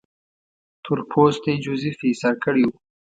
تور پوستی جوزیف یې ایسار کړی وو.